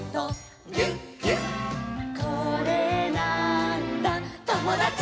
「これなーんだ『ともだち！』」